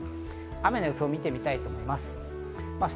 雨の予想を見てみたいと思います。